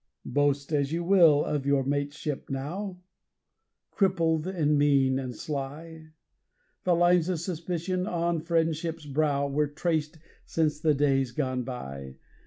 Boast as you will of your mateship now crippled and mean and sly The lines of suspicion on friendship's brow were traced since the days gone by.